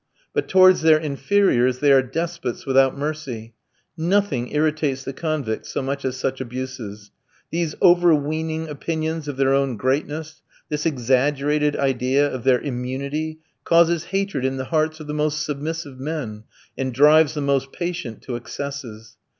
But towards their inferiors they are despots without mercy. Nothing irritates the convicts so much as such abuses. These overweening opinions of their own greatness; this exaggerated idea of their immunity, causes hatred in the hearts of the most submissive men, and drives the most patient to excesses.